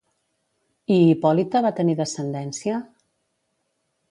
I Hipòlita va tenir descendència?